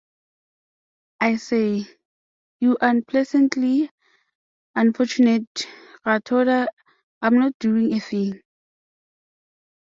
I say, you unpleasantly unfortunate radoteur, I'm not doing a thing.